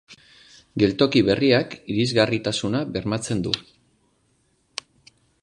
Geltoki berriak irisgarritasuna bermatzen du.